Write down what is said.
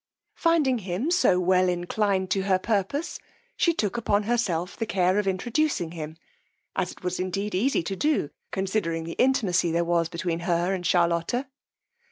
Finding him so well inclined to her purpose, she took upon herself the care of introducing him, as it was indeed easy to do, considering the intimacy there was between her and Charlotta.